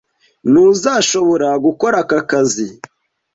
Ntuzashobora gukora aka kazi